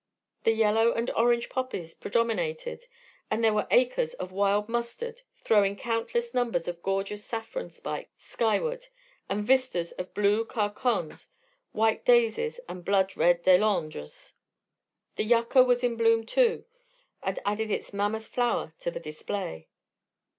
The yellow and orange poppies predominated, but there were acres of wild mustard throwing countless numbers of gorgeous saffron spikes skyward, and vistas of blue carconnes, white daisies and blood red delandres. The yucca was in bloom, too, and added its mammoth flower to the display.